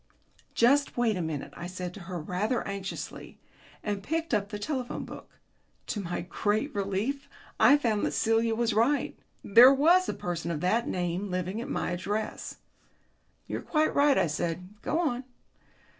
"Just wait a moment," I said to her rather anxiously, and picked up the telephone book. To my great relief I found that Celia was right. There was a person of that name living at my address. "You're quite right," I said. "Go on."